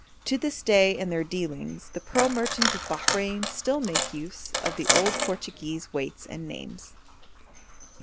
To this day in their dealings the pearl merchants of Bahrein still make use of the old Portuguese weights and names.